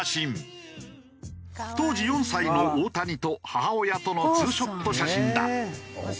当時４歳の大谷と母親とのツーショット写真だ。